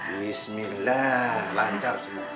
bismillah lancar semua